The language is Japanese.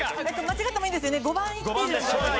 間違ってもいいんですよね？